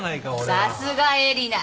さすがえりな。